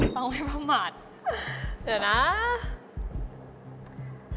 ต้องไม่ประมาทเดี๋ยวนะ